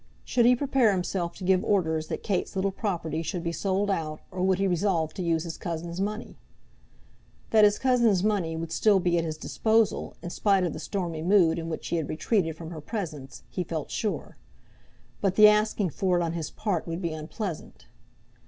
Should he prepare himself to give orders that Kate's little property should be sold out, or would he resolve to use his cousin's money? That his cousin's money would still be at his disposal, in spite of the stormy mood in which he had retreated from her presence, he felt sure; but the asking for it on his part would be unpleasant.